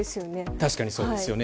確かにそうですよね。